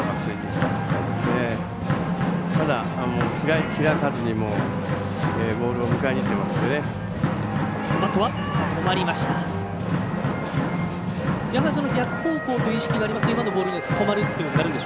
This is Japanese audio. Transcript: ただ、開かずにボールを抑えにいってますので。